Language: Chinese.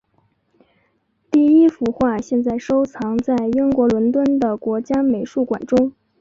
第一幅画现在收藏在英国伦敦的国家美术馆中。